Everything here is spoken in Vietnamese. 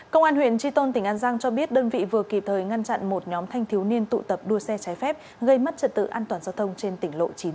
công an huyện tri tôn tỉnh an giang cho biết đơn vị vừa kịp thời ngăn chặn một nhóm thanh thiếu niên tụ tập đua xe trái phép gây mất trật tự an toàn giao thông trên tỉnh lộ chín mươi